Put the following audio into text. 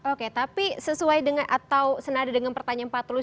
oke tapi sesuai dengan atau senada dengan pertanyaan pak tulus